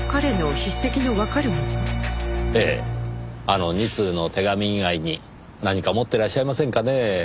あの２通の手紙以外に何か持ってらっしゃいませんかねぇ？